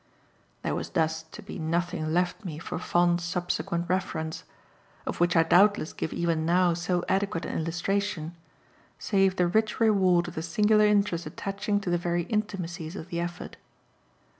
There was thus to be nothing left me for fond subsequent reference of which I doubtless give even now so adequate an illustration save the rich reward of the singular interest attaching to the very intimacies of the effort.